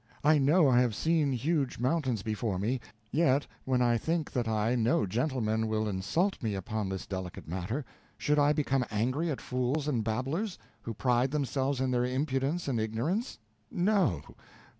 I know I have seen huge mountains before me, yet, when I think that I know gentlemen will insult me upon this delicate matter, should I become angry at fools and babblers, who pride themselves in their impudence and ignorance? No.